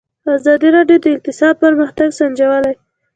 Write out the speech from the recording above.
ازادي راډیو د اقتصاد پرمختګ سنجولی.